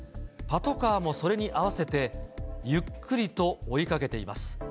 パトカーもそれに合わせて、ゆっくりと追いかけています。